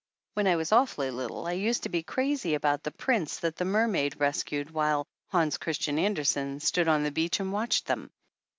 When I was awfully little I used to be crazy about the prince that the mermaid rescued while Hans Christian Andersen stood on the beach and watched them.